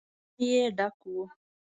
ستونی يې ډک و.